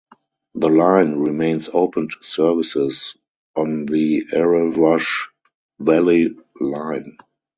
The line remains open to services on the Erewash Valley Line.